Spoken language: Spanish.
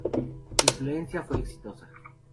Su influencia fue extensa.